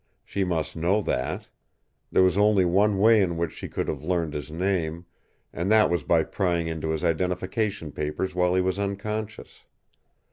She must know that. There was only one way in which she could have learned his name, and that was by prying into his identification papers while he was unconscious.